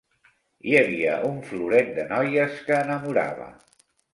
Hi havia un floret de noies que enamorava!